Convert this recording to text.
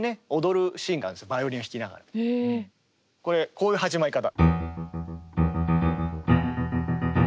これこういう始まり方。